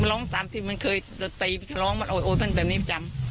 มันร้องตามที่มันเคยตะตีร้องมันโอ้ยโอ้ยเป็นแบบนี้ประจำ